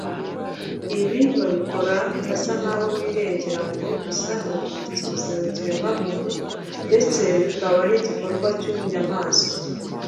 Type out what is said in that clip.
Ibi babikora basa nk’aho birengera ngo gusa ni ukuvutsa ubuzima ikiremwamuntu ndetse kikaba n’igikorwa cy’ubunyamaswa